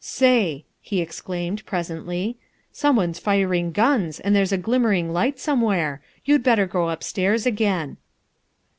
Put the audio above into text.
"Say," he exclaimed presently, "someone's firing guns and there's a glimmering light somewhere. You'd better go upstairs again."